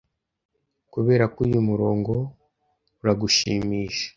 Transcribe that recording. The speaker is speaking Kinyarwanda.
kuberako uyu murongo uragushimisha